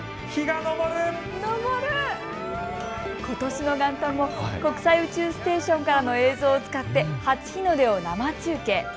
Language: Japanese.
ことしの元旦も国際宇宙ステーションからの映像を使って初日の出を生中継。